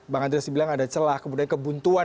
bang andreas bilang ada celah kemudian kebuntuan